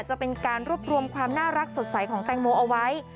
จะเป็นการรวบรวมความน่ารักสดใสของแตงโมเอาไว้